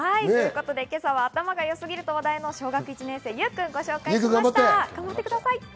今朝は頭がよすぎると話題の小学１年生、ゆうくんをご紹介しました。